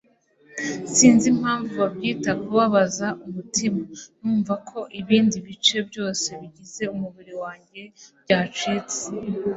sinzi impamvu babyita kubabaza umutima. numva ko ibindi bice byose bigize umubiri wanjye byacitse